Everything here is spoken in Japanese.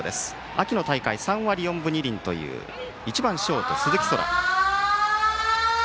秋の大会３割４分２厘という１番ショート、鈴木昊。